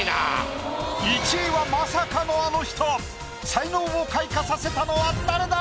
才能を開花させたのは誰だ⁉